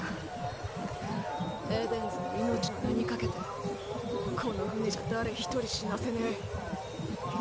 エデンズの命の名に懸けてこの船じゃ誰一人死なせねえ。